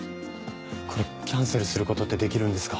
これキャンセルすることってできるんですか？